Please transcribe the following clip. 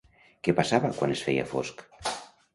Què passava quan es feia fosc?